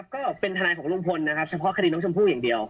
ก็เป็นทนายของลุงพลนะครับเฉพาะคดีน้องชมพู่อย่างเดียว